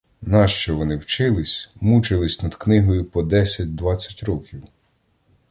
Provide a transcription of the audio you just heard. Нащо вони вчились, мучились над книгою по десять, двадцять років?